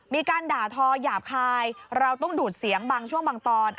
มีการด่าทอหยาบคายเราต้องดูดเสียงบางช่วงบางตอน